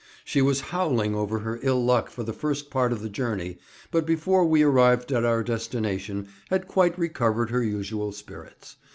She was howling over her ill luck for the first part of the journey, but before we arrived at our destination had quite recovered her usual spirits.